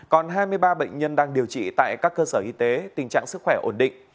còn hai mươi ba bệnh nhân đang điều trị tại các cơ sở y tế tình trạng sức khỏe ổn định